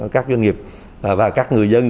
các doanh nghiệp và các người dân